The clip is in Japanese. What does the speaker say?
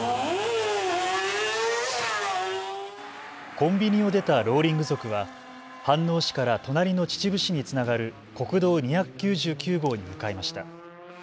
コンビニを出たローリング族は飯能市から隣の秩父市につながる国道２９９号に向かいました。